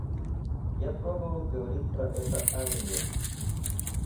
Я пробовал говорить про это Анне.